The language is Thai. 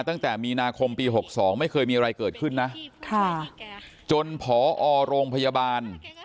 ตั้งแต่มีนาคมปี๖๒ไม่เคยมีอะไรเกิดขึ้นนะค่ะจนผอโรงพยาบาล